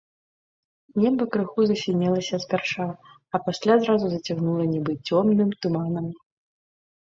Неба крыху засінелася спярша, а пасля зразу зацягнула нібы цёмным туманам.